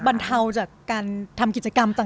บรรเทาจากการทำกิจกรรมต่าง